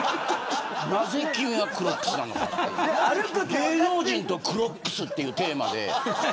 芸能人とクロックスっていうテーマで。